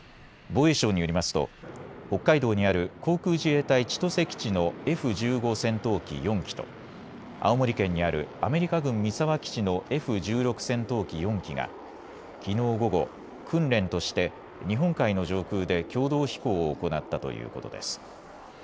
防衛省によりますと北海道にある航空自衛隊千歳基地のＦ１５戦闘機４機と青森県にあるアメリカ軍三沢基地のＦ１６戦闘機４機がきのう午後、訓練として日本海の上空で共同飛行を行ったということです。